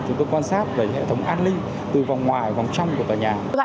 chúng tôi quan sát về hệ thống an ninh từ vòng ngoài vòng trong của tòa nhà